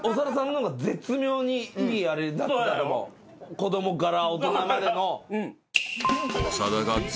子供から大人までの。